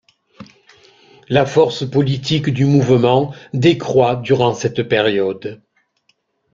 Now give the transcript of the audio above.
La force politique du mouvement décroît durant cette période.